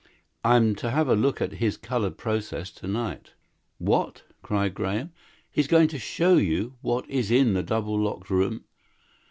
I'm to have a look at his color process to night." "What?" cried Graham. "He's going to show you what is in the double locked room?"